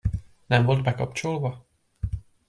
Nem volt bekapcsolva?